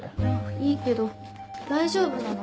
いいけど大丈夫なの？